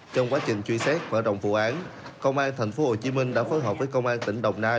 trong quá trình truy xét và rộng vụ án công an thành phố hồ chí minh đã phối hợp với công an tỉnh đồng nai